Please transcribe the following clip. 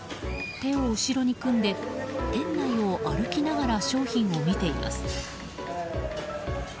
手を後ろに組んで、店内を歩きながら商品を見ています。